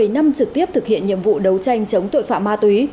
bảy năm trực tiếp thực hiện nhiệm vụ đấu tranh chống tội phạm ma túy